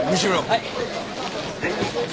はい。